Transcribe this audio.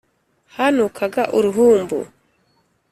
Hanukaga uruhumbu .